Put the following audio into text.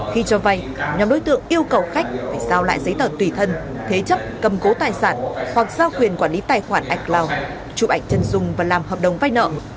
khi cho vay nhóm đối tượng yêu cầu khách phải giao lại giấy tờ tùy thân thế chấp cầm cố tài sản hoặc giao quyền quản lý tài khoản acloud chụp ảnh chân dung và làm hợp đồng vay nợ